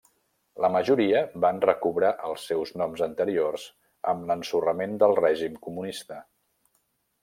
La majoria van recobrar els seus noms anteriors amb l'ensorrament del règim comunista.